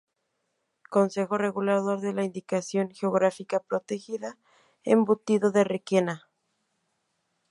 Consejo Regulador de la Indicación Geográfica Protegida "Embutido de Requena"